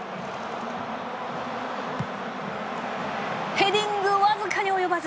ヘディング僅かに及ばず。